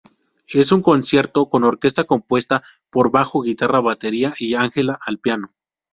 Es un concierto con orquesta compuesta por bajo, guitarra, batería, y Angela, al piano.